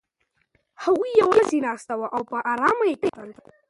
هغه یوازې ناسته وه او په ارامۍ یې کتل.